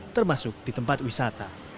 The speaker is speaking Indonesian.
termasuk di tempat wisata